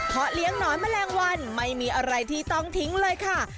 เพราะเลี้ยงหนอนแมลงวันไม่มีอะไรที่ต้องทิ้งเลยค่ะ